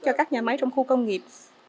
cho các nhà máy trong khu công nghiệp